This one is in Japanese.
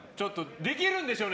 できるんでしょうね？